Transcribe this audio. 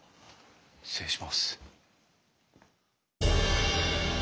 失礼します。